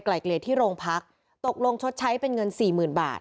เกลียดที่โรงพักตกลงชดใช้เป็นเงินสี่หมื่นบาท